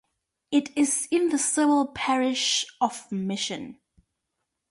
It is in the civil parish of Misson.